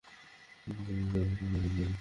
আমাকে মুক্ত করে দিন।